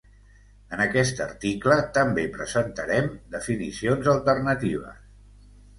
En aquest article també presentarem definicions alternatives.